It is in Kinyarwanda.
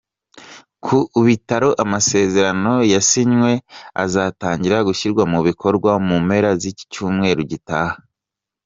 Ku ikubitiro amasezerano yasinywe azatangira gushyirwa mu bikorwa mu mpera z’icyumweru gitaha.